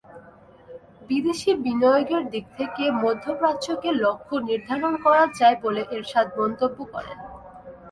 বিদেশি বিনিয়োগের দিক থেকে মধ্যপ্রাচ্যকে লক্ষ্য নির্ধারণ করা যায় বলে এরশাদ মন্তব্য করেন।